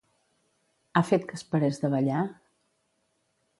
Ha fet que es parés de ballar?